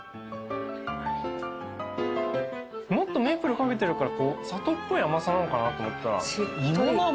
もっとメープル掛けてるからこう砂糖っぽい甘さなのかなと思ったら。